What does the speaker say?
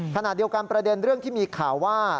ขณะเดียวกันประเด็นเรื่องที่มีข่าวว่า